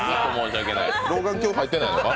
老眼鏡入ってないのか？